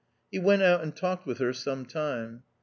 He went out and talked with her some time.